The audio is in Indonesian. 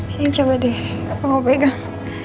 sayang coba deh aku mau pegang